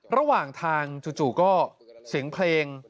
ระหว่างทางจู่ก็เสียงเพลง